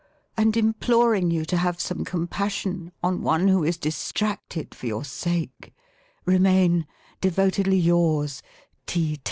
and imploring you to have some compassion on one who is distracted for your sake Remain Devotedly yours T.